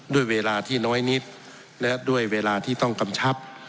ด้วยเวลาที่น้อยนิดและด้วยเวลาที่ต้องกำชับ